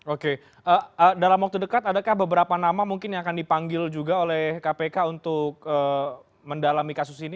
oke dalam waktu dekat adakah beberapa nama mungkin yang akan dipanggil juga oleh kpk untuk mendalami kasus ini